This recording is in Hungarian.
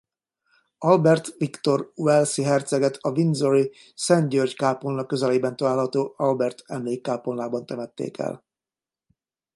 Albert Viktor walesi herceget a windsori Szent György-kápolna közelében található Albert-emlékkápolnában temették el.